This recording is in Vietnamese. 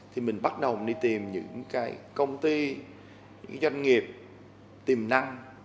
thì mình bắt đầu đi tìm những cái công ty những doanh nghiệp tiềm năng